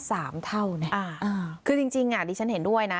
สามเท่าเนี่ยอ่าอ่าคือจริงจริงอ่ะดิฉันเห็นด้วยนะ